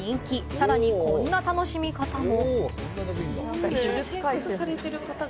さらに、こんな楽しみ方も。